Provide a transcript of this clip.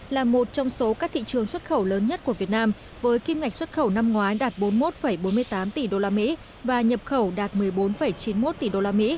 là một trong số các thị trường xuất khẩu lớn nhất của việt nam với kim ngạch xuất khẩu năm ngoái đạt bốn mươi một bốn mươi tám tỷ usd và nhập khẩu đạt một mươi bốn chín mươi một tỷ usd